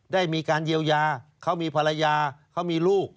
ได้มีการเยียวยาเขามีภรรยาเขามีลูก